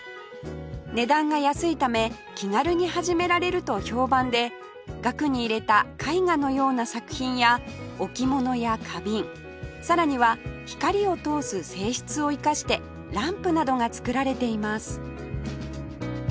値段が安いため気軽に始められると評判で額に入れた絵画のような作品や置物や花瓶さらには光を通す性質を生かしてランプなどが作られています